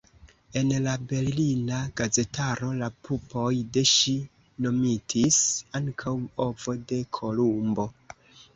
En la berlina gazetaro la pupoj de ŝi nomitis ankaŭ "ovo de Kolumbo".